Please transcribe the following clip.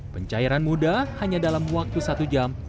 pencairan mudah hanya dalam waktu satu jam